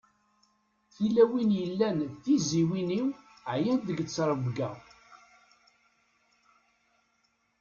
Tilawin yellan d tizziwin-iw ɛeyyant deg ttrebga.